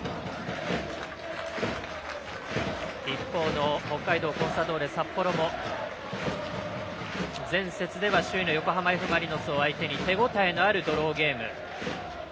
一方の北海道コンサドーレ札幌も前節では首位の横浜Ｆ・マリノスを相手に手応えのあるドローゲーム。